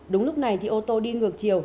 đúng lúc này thì ô tô đi ngược chiều